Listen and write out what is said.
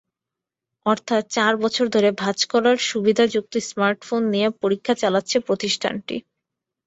অর্থাৎ চার বছর ধরে ভাঁজ করার সুবিধাযুক্ত স্মার্টফোন নিয়ে পরীক্ষা চালাচ্ছে প্রতিষ্ঠানটি।